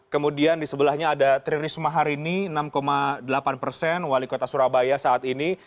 kemudian di sebelahnya ada tri risma harini enam delapan persen wali kota surabaya saat ini